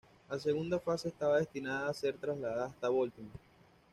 La segunda fase estaba destinada a ser trasladada hasta Baltimore.